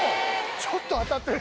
ちょっと当たってる。